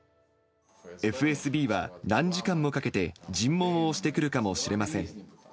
ＦＳＢは、何時間もかけて尋問をしてくるかもしれません。